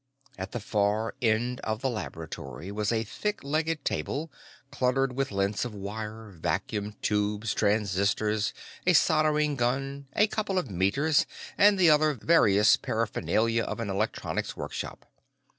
At the far end of the laboratory was a thick legged table cluttered with lengths of wire, vacuum tubes, transistors, a soldering gun, a couple of meters, and the other various paraphernalia of an electronics workshop.